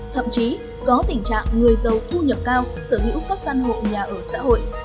thậm chí có tình trạng người giàu thu nhập cao sở hữu các căn hộ nhà ở xã hội